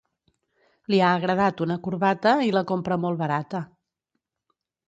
li ha agradat una corbata i la compra molt barata